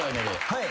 はい。